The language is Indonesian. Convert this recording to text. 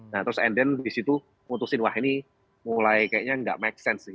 nah terus and then di situ putusin wah ini mulai kayaknya nggak make sense ini crowded nya